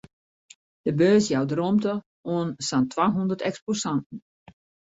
De beurs jout romte oan sa'n twahûndert eksposanten.